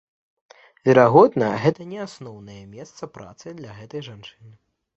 Верагодна, гэта не асноўнае месца працы для гэтай жанчыны.